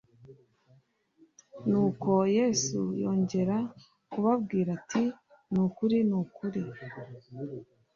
Nuko Yesu yongera kubabwira ati ni ukuri ni ukuri